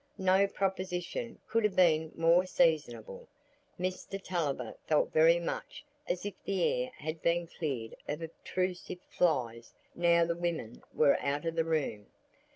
No proposition could have been more seasonable. Mr Tulliver felt very much as if the air had been cleared of obtrusive flies now the women were out of the room.